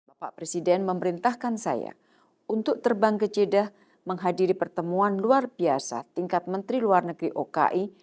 bapak presiden memerintahkan saya untuk terbang ke jeddah menghadiri pertemuan luar biasa tingkat menteri luar negeri oki